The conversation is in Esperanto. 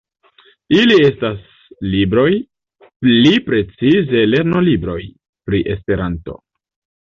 Ili estas libroj, pli precize lernolibroj, pri Esperanto.